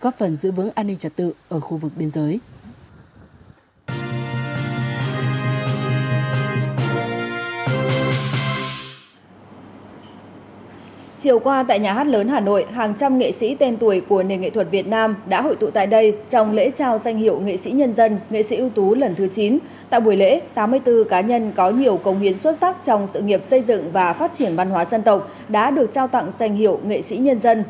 các đối tượng của nền nghệ thuật việt nam đã hội tụ tại đây trong lễ trao danh hiệu nghệ sĩ nhân dân nghệ sĩ ưu tú lần thứ chín tại buổi lễ tám mươi bốn cá nhân có nhiều công hiến xuất sắc trong sự nghiệp xây dựng và phát triển văn hóa dân tộc đã được trao tặng danh hiệu nghệ sĩ nhân dân